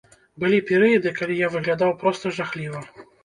Былі перыяды, калі я выглядаў проста жахліва.